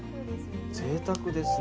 ぜいたくですよね。